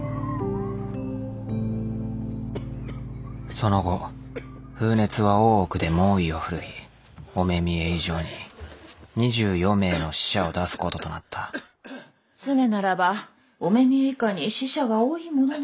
その後風熱は大奥で猛威を振るい御目見以上に２４名の死者を出すこととなった常ならば御目見以下に死者が多いものなのに逆さ。